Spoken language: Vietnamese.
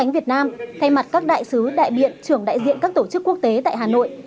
việt nam thay mặt các đại sứ đại biện trưởng đại diện các tổ chức quốc tế tại hà nội